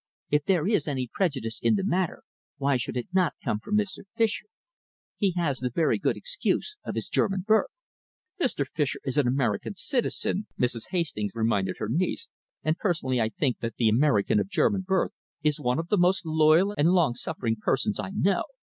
If there is any prejudice in the matter, why should it not come from Mr. Fischer? He has the very good excuse of his German birth." "Mr. Fischer is an American citizen," Mrs. Hastings reminded her niece, "and personally, I think that the American of German birth is one of the most loyal and long suffering persons I know.